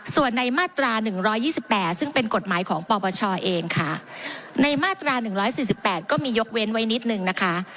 ส่วนในมาตราหนึ่งร้อยยี่สิบแปดซึ่งเป็นกฎหมายของปรปชาเองค่ะในมาตราหนึ่งร้อยสี่สิบแปดก็มียกเว้นไว้นิดหนึ่งนะคะ